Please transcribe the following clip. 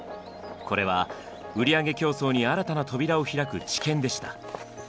これは売り上げ競争に新たな扉を開く知見でした。